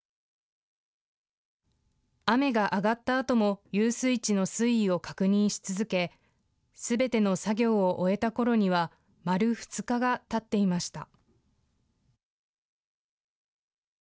雨が上がったあとも遊水地の水位を確認し続け、すべての作業を終えたころには丸２日がたっていました。